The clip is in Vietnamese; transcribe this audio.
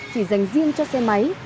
chỉ dành riêng cho xe máy